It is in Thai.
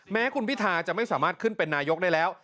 แม้คุณพิธาจะไม่สามารถขึ้นเป็นนายกได้แล้ว